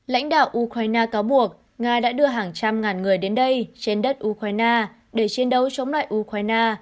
lãnh đạo ukraine cáo buộc nga đã đưa hàng trăm ngàn người đến đây trên đất ukraine để chiến đấu chống lại ukraine